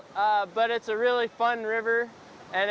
tapi sungai ini sangat menyenangkan